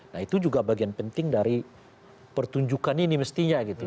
nah itu juga bagian penting dari pertunjukan ini mestinya gitu